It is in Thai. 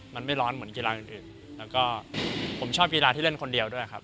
มันไม่ร้อนเหมือนกีฬาอื่นแล้วก็ผมชอบกีฬาที่เล่นคนเดียวด้วยครับ